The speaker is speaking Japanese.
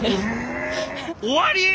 終わり？